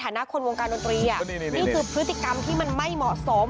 แต่ในฐานะคนวงการดนตรีนี่คือพฤติกรรมที่ไม่เหมาะสม